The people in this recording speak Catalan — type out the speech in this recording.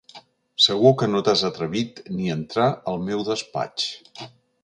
Segur que no t'has atrevit ni a entrar al meu despatx!